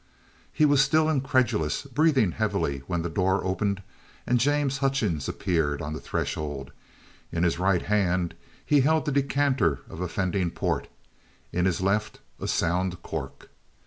He was still incredulous, breathing heavily, when the door opened and James Hutchings appeared on the threshold. In his right hand he held the decanter of offending port, in his left a sound cork.